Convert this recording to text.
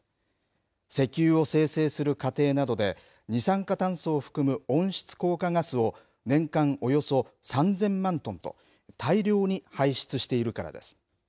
石油を精製する過程などで、二酸化炭素を含む温室効果ガスを年間およそ３０００万トンと、大量に排出しているからです。